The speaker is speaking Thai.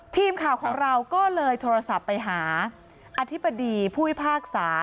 ทีมข่าวของเราก็เลยโทรศัพท์ไปหาอธิบดีผู้พิพากษา